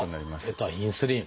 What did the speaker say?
出たインスリン！